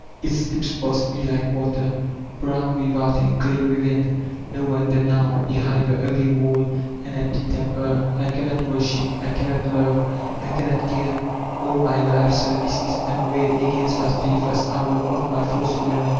It slips past me like water. Brown without and clay within I No wonder now behind the ugly wall ; an empty tcnqde 1 I cannot worship, I cannot love» I cannot care. AD nsjr life service is unweighed against that faithless hour of my forswearing.